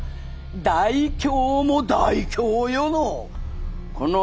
大凶も大凶よの。